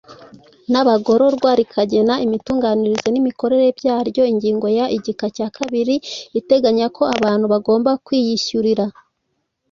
N abagororwa rikanagena imitunganyirize n imikorere byaryo ingingo ya igika cya kabiri iteganya ko abantu bagomba kwiyishyurira